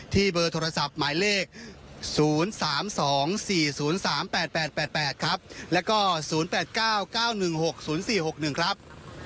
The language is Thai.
ที่เบอร์โทรศัพท์หมายเลขศูนย์สามสองสี่ศูนย์สามแปดแปดแปดแปดครับแล้วก็ศูนย์แปดเก้าเก้าหนึ่งหกศูนย์สี่หกหนึ่งครับ